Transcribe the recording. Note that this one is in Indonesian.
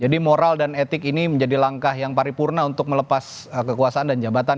jadi moral dan etik ini menjadi langkah yang paripurna untuk melepas kekuasaan dan jabatan